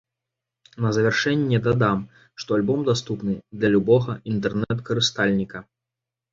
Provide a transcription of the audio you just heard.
На завяршэнне дадам, што альбом даступны для любога інтэрнэт-карыстальніка.